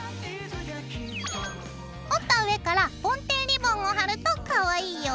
折った上からぼん天リボンを貼るとかわいいよ。